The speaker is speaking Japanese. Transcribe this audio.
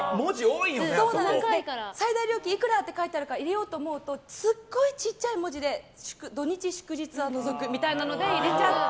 最大料金いくらって書いてあるから入れようと思うとすごいちっちゃい文字で土日祝日は除くみたいなのがあって入れちゃって。